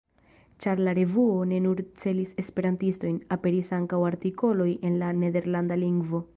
Ĉar la revuo ne nur celis esperantistojn, aperis ankaŭ artikoloj en la nederlanda lingvo.